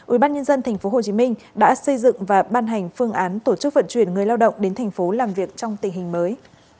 ubnd tp hcm đã xây dựng và ban hành phương án tổ chức vận chuyển người lao động đến thành phố làm việc trong tình hình mới